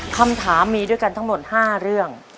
คำถามมีด้วยกันทั้งหมด๕เรื่อง